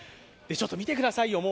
見てください。